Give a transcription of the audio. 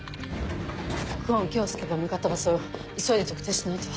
久遠京介が向かった場所を急いで特定しないと。